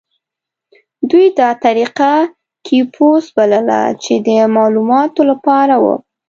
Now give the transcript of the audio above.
دوی دا طریقه کیوپوس بلله چې د معلوماتو لپاره وه.